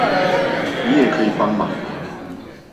你也可以幫忙